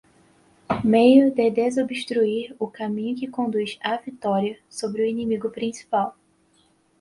meio de desobstruir o caminho que conduz à vitória sobre o inimigo principal